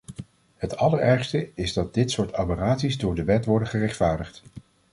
Het allerergste is dat dit soort aberraties door de wet worden gerechtvaardigd.